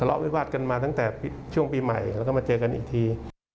ละวิวาสกันมาตั้งแต่ช่วงปีใหม่แล้วก็มาเจอกันอีกที